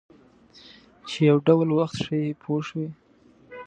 چې یو ډول وخت ښیي پوه شوې!.